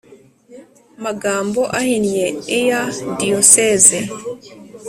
Magambo ahinnye ear diyoseze